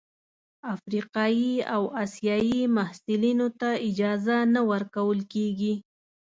افریقايي او اسیايي محصلینو ته اجازه نه ورکول کیږي.